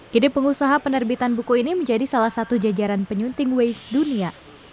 kini pengusaha penerbitan buku ini menjadi salah satu jajaran penyunting waze dunia